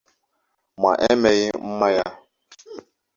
ma e meghị ma ya